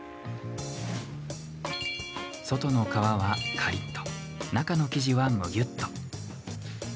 外の皮は、カリッと中の生地は、むぎゅっと。